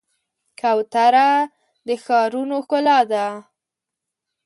کوتره د ښارونو ښکلا ده.